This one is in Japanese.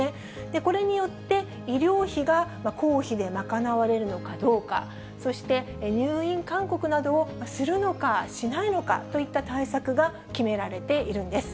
これによって、医療費が公費で賄われるのかどうか、そして、入院勧告などをするのかしないのかといった対策が決められているんです。